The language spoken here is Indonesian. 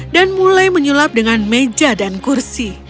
dan mulai menyulap dengan meja dan kursi